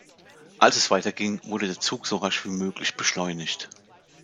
Als es weiterging, wurde der Zug so rasch wie möglich beschleunigt.